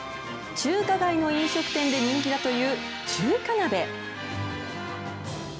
中華街の飲食店で人気だという中華鍋。